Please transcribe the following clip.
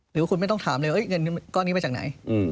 หรือว่าคุณไม่ต้องถามเลยเงินก้อนนี้มาจากไหน